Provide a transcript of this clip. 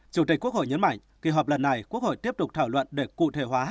chủ tịch quốc hội nhấn mạnh kỳ họp lần này quốc hội tiếp tục thảo luận để cụ thể hóa